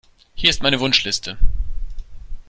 Hier ist meine Wunschliste.